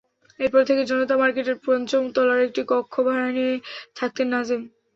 এরপর থেকে জনতা মার্কেটের পঞ্চম তলার একটি কক্ষ ভাড়া নিয়ে থাকতেন নাজিম।